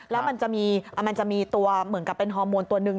แล้วมันจะมีตัวเหมือนกับเป็นฮอร์โมนตัวหนึ่ง